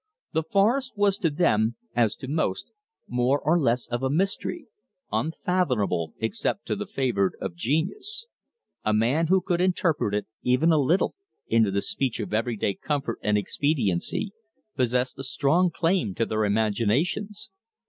The forest was to them, as to most, more or less of a mystery, unfathomable except to the favored of genius. A man who could interpret it, even a little, into the speech of everyday comfort and expediency possessed a strong claim to their imaginations.